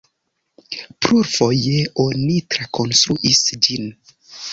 Plurfoje oni trakonstruis ĝin.